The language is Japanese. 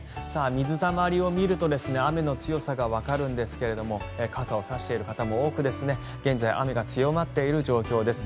水たまりを見ると雨の強さがわかるんですが傘を差している方も多く現在、雨が強まっている状況です。